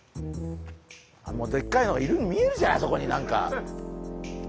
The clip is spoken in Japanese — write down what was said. もうでっかいのがいるの見えるじゃないあそこに何か。